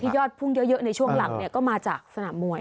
ยอดพุ่งเยอะในช่วงหลังก็มาจากสนามมวย